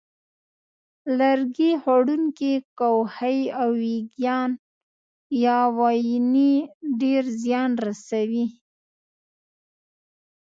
لرګي خوړونکي کوخۍ او وېږیان یا واینې ډېر زیان رسوي.